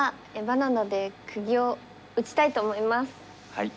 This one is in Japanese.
はい。